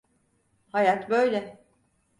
Hayat böyle.